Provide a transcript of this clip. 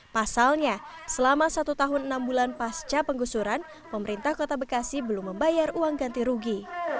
pasalnya selama satu tahun enam bulan pasca penggusuran pemerintah kota bekasi belum membayar uang ganti rugi